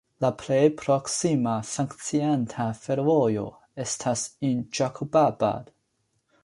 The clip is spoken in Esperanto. La plej proksima funkcianta fervojo estas en Ĝakobabad.